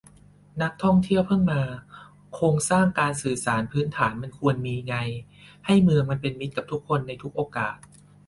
นักท่องเที่ยวเพิ่งมา โครงสร้างการสื่อสารพื้นฐานมันควรมีไง ให้เมืองมันเป็นมิตรกับคนในทุกโอกาส